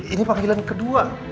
ini panggilan kedua